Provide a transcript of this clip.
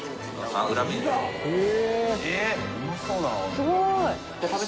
すごい！